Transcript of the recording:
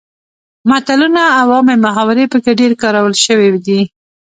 متلونه او عامې محاورې پکې ډیر کارول شوي دي